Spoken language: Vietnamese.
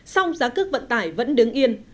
xong giá cước vận tải vẫn đứng yên